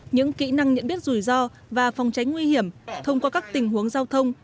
những kỹ năng nhận biết rủi ro và phòng tránh nguy hiểm thông qua các tình huống giao thông